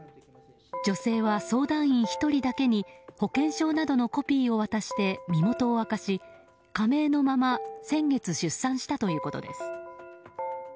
女性は相談員１人だけに保険証などのコピーを渡して身元を証し、仮名のまま先月出産したということです。